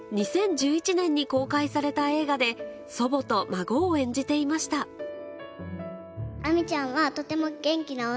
２０１１年に公開された映画で祖母と孫を演じていましたでも。